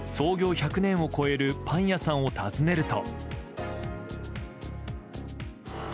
１００年を超えるパン屋さんを訪ねると。